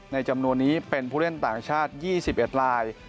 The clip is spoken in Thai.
จำนวนนี้เป็นผู้เล่นต่างชาติ๒๑ลาย